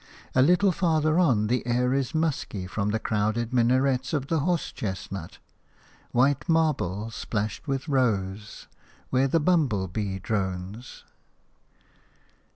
A little farther on the air is musky from the crowded minarets of the horse chestnut – white marble splashed with rose – where the bumble bee drones.